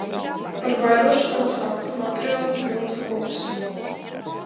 Par vairošanos faktu materiāls ir ļoti skops.